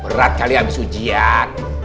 berat kali habis ujian